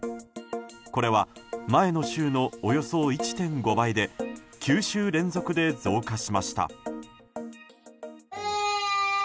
これは前の週のおよそ１．５倍で９週連続で増加しました。